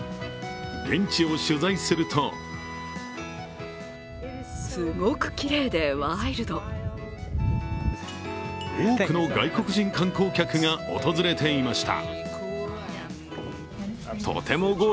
現地を取材すると多くの外国人観光客が訪れていました。